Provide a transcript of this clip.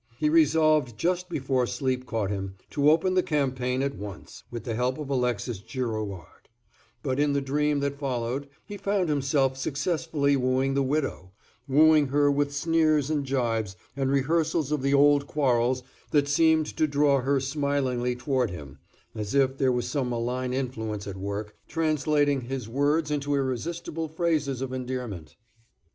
He resolved, just before sleep caught him, to open the campaign at once, with the help of Alexis Girouard; but in the dream that followed he found himself successfully wooing the widow, wooing her with sneers and gibes, and rehearsals of the old quarrels that seemed to draw her smilingly toward him, as if there was some malign influence at work translating his words into irresistible phrases of endearment.